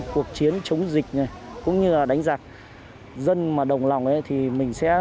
cái cuộc chiến chống dịch này cũng như là đánh giạc dân mà đồng lòng ấy thì mình sẽ sớm thắng được dịch bệnh